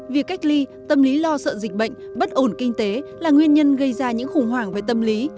việc cách ly tâm lý lo sợ dịch bệnh bất ổn kinh tế là nguyên nhân gây ra những khủng hoảng về tâm lý